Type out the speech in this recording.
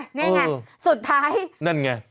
นี่ไงสุดท้ายนั่นไง